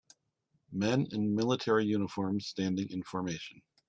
Men in military uniforms standing in formation.